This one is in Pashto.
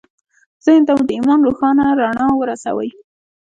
ذهن ته مو د ایمان روښانه رڼا ورسوئ